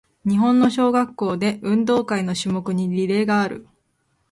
日本の小学校で、運動会の種目にリレーがある。